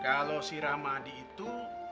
kalau si ramadi itu